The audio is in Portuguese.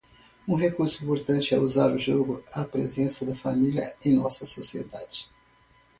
Um recurso importante é usar o jogo, a presença da família em nossa sociedade.